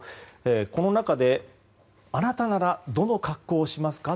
この中で、あなたならどの格好をしますか？